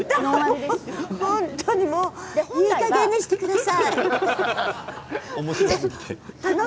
いいかげんにしてください。